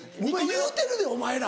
言うてるでお前ら。